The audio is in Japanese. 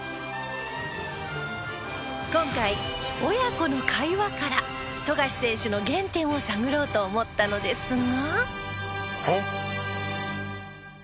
今回親子の会話から富樫選手の原点を探ろうと思ったのですが。